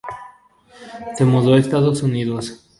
Se mudó a Estados Unidos.